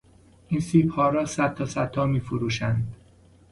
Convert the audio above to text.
این سیبها را صدتا صدتا میفروشند.